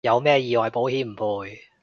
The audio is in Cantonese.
有咩意外保險唔賠